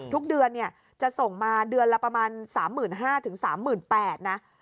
ทุกเดือนจะส่งมาเดือนละประมาณ๓๕๐๐๓๘๐๐นะ